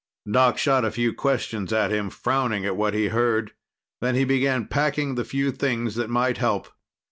Doc shot a few questions at him, frowning at what he heard. Then he began packing the few things that might help.